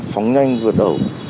phóng nhanh vượt ẩu